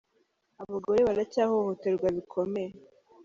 Abagore baracyahohoterwa bikomeye